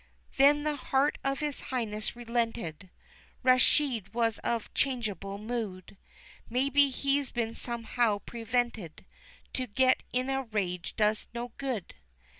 Then the heart of his Highness relented; Rashid was of changeable mood; "Maybe he's been somehow prevented; to get in a rage does no good.